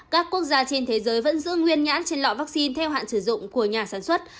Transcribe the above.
các quốc gia trên thế giới vẫn giữ nguyên nhãn trên lọ vaccine theo hạn sử dụng của nhà sản xuất